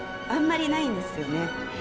あまりないんですよね。